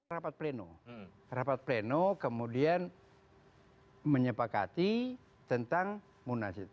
rapat pleno rapat pleno kemudian menyepakati tentang munas itu